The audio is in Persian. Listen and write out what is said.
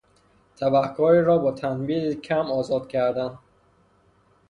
تبهکاری را با تنبیه کم آزاد کردن